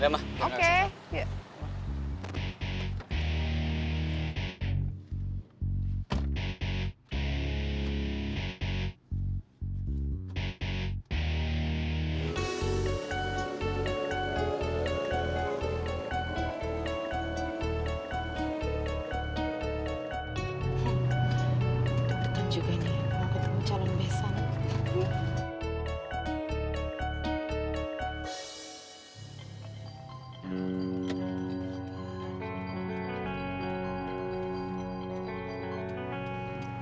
tentang juga nih mau ketemu calon besan